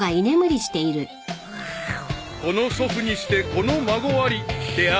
［この祖父にしてこの孫ありである］